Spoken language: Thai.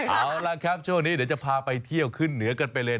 เอาล่ะครับช่วงนี้เดี๋ยวจะพาไปเที่ยวขึ้นเหนือกันไปเลย